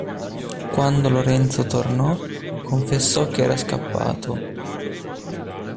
Quando Lorenzo tornò, confessò che era scappato.